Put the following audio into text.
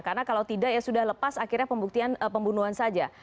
karena kalau tidak ya sudah lepas akhirnya pembuktian pembunuhan saja